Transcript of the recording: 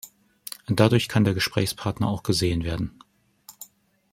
Dadurch kann der Gesprächspartner auch gesehen werden.